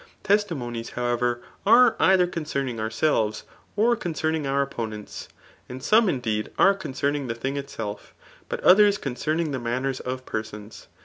Testimo nies, however, are either concerning ourselves, or coip eeming our opponents ; and some, indeed, are coacerting the thing itself; but others concerning the manners of persons.